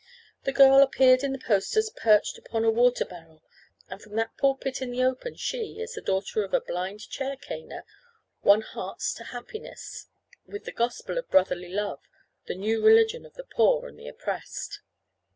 The girl appeared in the posters perched upon a water barrel and from that pulpit in the open she, as the daughter of a blind chair caner, won hearts to happiness with the gospel of brotherly love—the new religion of the poor and the oppressed.